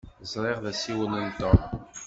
Ẓriɣ d asiwel n Tom.